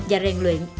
và rèn luyện